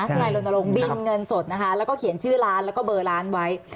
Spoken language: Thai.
นายรณรงค์บินเงินสดนะคะแล้วก็เขียนชื่อร้านแล้วก็เบอร์ร้านไว้